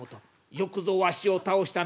よくぞわしを倒したな」。